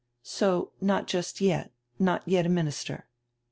"So not just yet, not yet a minister?"